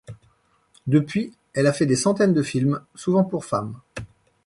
Depuis elle a fait des centaines de films, souvent pour femmes.